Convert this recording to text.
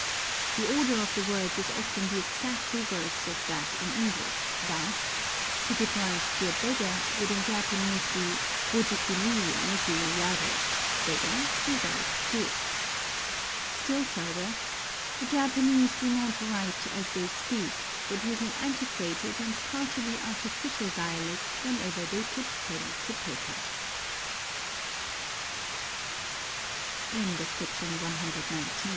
The order of the words is often the exact reverse of that in EngHsh; thus, "To give rice to a beggar" would in Japanese be Kojiki ni meshi wo yaru, "Beggar to rice give." Still further, "The Japanese do not write as they speak, but use an anti quated and partly artificial dialect v;^henever they put pen to pa